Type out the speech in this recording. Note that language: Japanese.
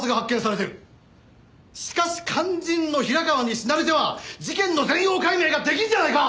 しかし肝心の平川に死なれては事件の全容解明ができんじゃないか！